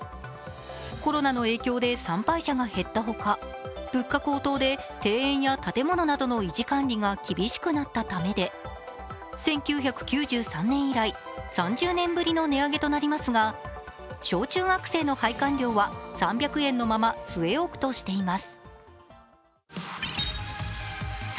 コロナの影響で参拝者が減ったほか、物価高騰で庭園や建物などの維持管理が厳しくなったためで１９９３年以来、３０年ぶりの値上げとなりますが、小中学生の拝観料は３００円のまま据え置くとしています。